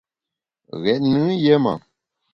Ghét nùn yé ma.